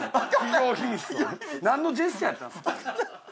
何のジェスチャーやったんすか？